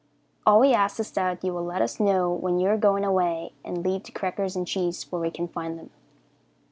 All we ask is that you will let us know when you are going away, and leave the crackers and cheese where we can find them.